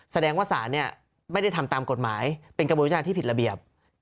แสดงว่าศาลไม่ได้ทำตามกฎหมายเป็นกระบวนวิจารณ์ที่ผิดระเบียบ